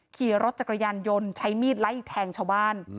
ขี่รถจักรยานยนต์ใช้มีดไล่แทงชาวบ้าน